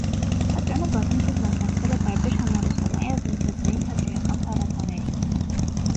Թատրոնը բազմիցս մասնակցել է տարբեր համառուսական և միջազգային թատերական փառատոների։